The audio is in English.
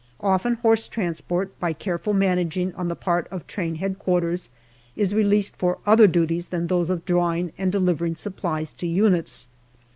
Often horse transport, by careful managing on the part of train H.Q., is released for other duties than those of drawing and delivering supplies to units.